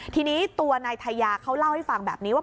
ทีนี้ตัวนายทายาเขาเล่าให้ฟังแบบนี้ว่า